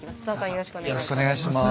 よろしくお願いします。